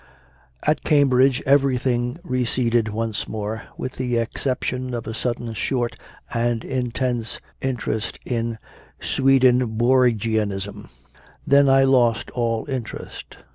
5. At Cambridge everything receded once more, with the exception of a sudden short and intense interest in Swedenborgianism. Then I lost all interest.